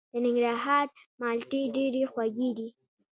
د ننګرهار مالټې ډیرې خوږې دي.